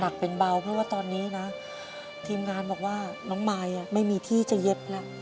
เป็นเบาเพราะว่าตอนนี้นะทีมงานบอกว่าน้องมายไม่มีที่จะเย็บแล้ว